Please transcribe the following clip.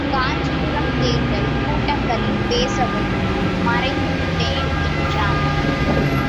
காஞ்சிபுரம் தேர்தல் கூட்டங்களில் பேசவும் மறுத்துவிட்டேன், என்றேன்.